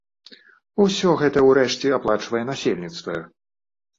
Усё гэта, урэшце, аплачвае насельніцтва.